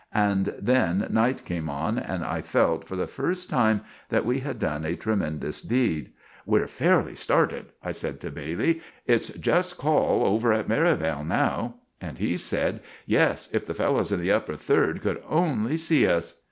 And then night came on, and I felt, for the first time, that we had done a tremendous deed. "We're fairly started," I sed to Bailey. "It's just call over at Merivale now." And he sed, "Yes; if the fellows in the upper third could only see us!"